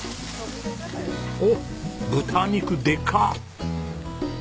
おおっ豚肉でか！